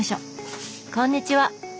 こんにちは！